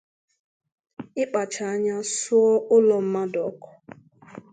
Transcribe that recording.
ịkpacha anya suo ụlọ mmadụ ọkụ